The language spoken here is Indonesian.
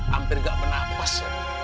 hampir gak menapas